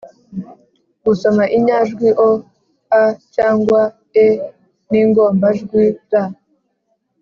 -gusoma inyajwi o, a cyangwa e n’ingombajwi r